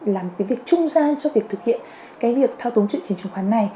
làm việc trung gian cho việc thực hiện việc thao túng thị trường chứng khoán này